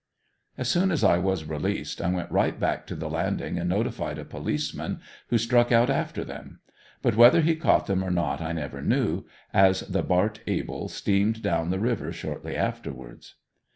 As soon as I was released I went right back to the landing and notified a policeman who struck out after them. But whether he caught them or not I never knew, as the "Bart Able" steamed down the river shortly afterwards.